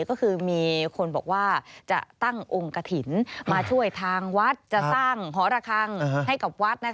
ก็คือมีคนบอกว่าจะตั้งองค์กระถิ่นมาช่วยทางวัดจะสร้างหอระคังให้กับวัด